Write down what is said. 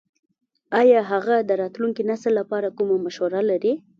ایا هغه د راتلونکي نسل لپاره کومه مشوره لري ?